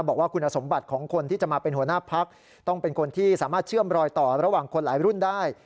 บอกว่าคุณสมบัติของคนที่จะมาเป็นหัวหน้าพักต้องเป็นคนที่สามารถเชื่อมรอยต่อระหว่างคนหลายรุ่นได้